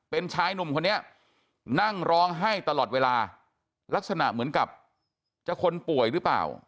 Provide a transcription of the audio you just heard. เป็นชายหนุ่มคนนี้นั่งร้องไห้ตลอดเวลาลักษณะเหมือนกับจะคนป่วยหรือเปล่า